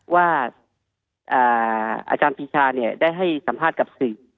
ว่าอาจารย์พิชาเนี่ยได้ให้สัมภาษณ์กับสื่อ